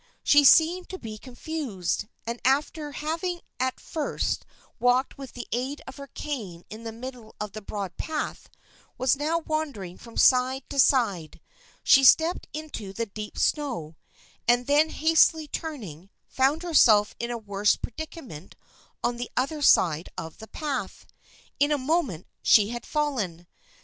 She seemed to be confused, and after having at first walked with the aid of her cane in the middle of the broad path, was now wandering from side to side. She stepped into the deep snow, and then hastily turning, found herself in a worse predica ment on the other side of the path. In a moment she had fallen.